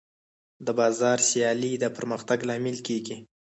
د بازار سیالي د پرمختګ لامل کېږي.